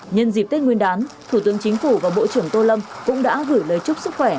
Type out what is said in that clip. nhân dịp tết nguyên đán thủ tướng chính phủ và bộ trưởng tô lâm cũng đã gửi lời chúc sức khỏe